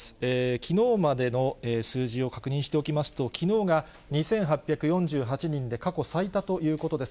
きのうまでの数字を確認しておきますと、きのうが２８４８人で、過去最多ということです。